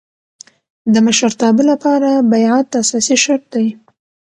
د مشرتابه له پاره بیعت اساسي شرط دئ.